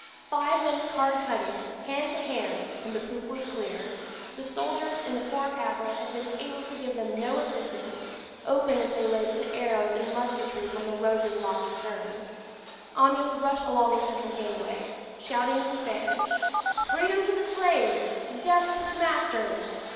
Five minutes' hard cutting, hand to hand, and the poop was clear. The soldiers in the forecastle had been able to give them no assistance, open as they lay to the arrows and musketry from the Rose's lofty stern. Amyas rushed along the central gangway, shouting in Spanish, "Freedom to the slaves! death to the masters!"